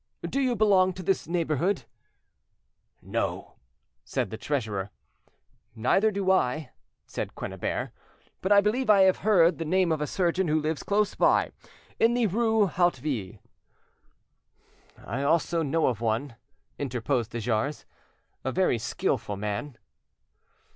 "Do you belong to this neighbourhood?" "No," said the treasurer. "Neither do I," said Quennebert. "but I believe I have heard the name of a surgeon who lives close by, in the rue Hauteville." "I also know of one," interposed de Jars, "a very skilful man."